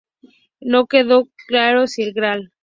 No quedó claro sí el Gral.